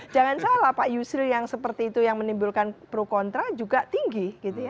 jangan salah pak yusril yang seperti itu yang menimbulkan pro kontra juga tinggi